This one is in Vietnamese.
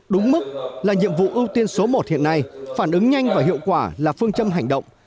đúng mức là nhiệm vụ ưu tiên số một hiện nay phản ứng nhanh và hiệu quả là phương châm hành động